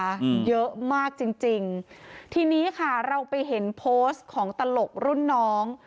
อืมเยอะมากจริงจริงทีนี้ค่ะเราไปเห็นโพสต์ของตลกรุ่นน้อง